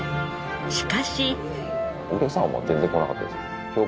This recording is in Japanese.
しかし。